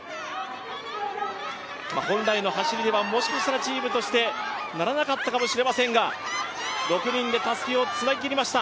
本来の走りでは、もしかしたらチームとしてならなかったかもしれないですが、６人でたすきをつなぎきりました。